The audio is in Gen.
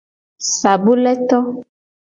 Sabule to.